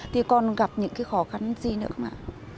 thì còn gặp những khó khăn gì nữa không ạ